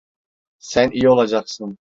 Sen iyi olacaksın.